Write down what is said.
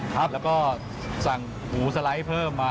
ครับแล้วก็สั่งหมูสไลด์เพิ่มมา